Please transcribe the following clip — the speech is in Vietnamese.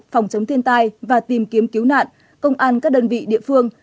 phòng chống thiên tai và tìm kiếm cứu nạn công an các đơn vị địa phương